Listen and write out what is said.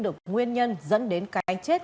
được nguyên nhân dẫn đến cái chết